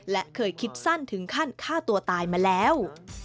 และเคยคิดสั้นถึงขั้นฆ่าตัวตายมาแล้ว